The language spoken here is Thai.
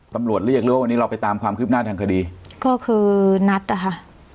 ตำรวจเรียกหรือว่าวันนี้เราไปตามความคืบหน้าทางคดีก็คือนัดอ่ะค่ะ